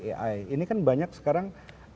ai ini kan banyak sekarang